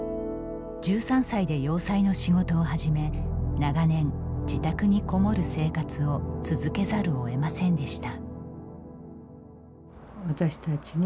１３歳で洋裁の仕事を始め長年、自宅に籠もる生活を続けざるをえませんでした。